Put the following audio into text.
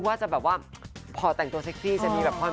มะจงมะจีบ